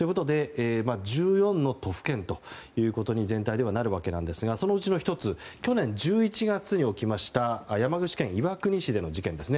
１４の都府県ということに全体ではなるわけですがそのうちの１つ去年１１月に起きました山口県岩国市での事件です。